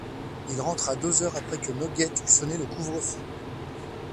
Il rentra deux heures après que Noguette eut sonné le couvre-feu.